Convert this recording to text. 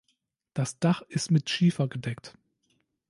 Das Dach ist mit Schiefer gedeckt.